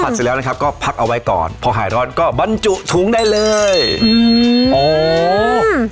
เสร็จแล้วนะครับก็พักเอาไว้ก่อนพอหายร้อนก็บรรจุถุงได้เลยอืมโอ้